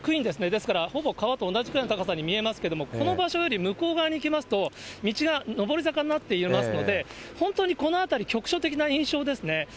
ですから、ほぼ川と同じぐらいの高さに見えますけど、この場所より向こう側に行きますと、道が上り坂になっていますので、本当にこの辺り、局所的な印象ですね。